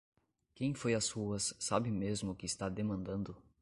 Quem foi às ruas sabe mesmo o que está demandando?